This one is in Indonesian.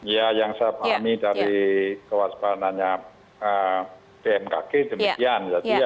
ya yang saya pahami dari kewaspadaannya bmkg demikian